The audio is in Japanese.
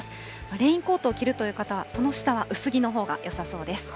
レインコートを着るという方、その下は薄着のほうがよさそうです。